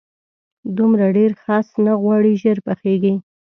دومره ډېر خس نه غواړي، ژر پخېږي.